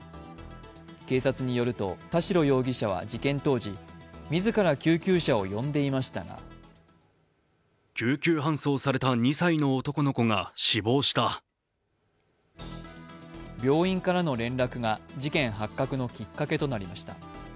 警察によると、田代容疑者は事件当時、自ら救急車を呼んでいましたが病院からの連絡が事件発覚のきっかけとなりました。